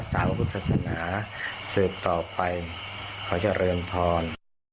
ศึกต่อไปเขาจะเรินพร